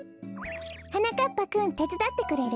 はなかっぱくんてつだってくれる？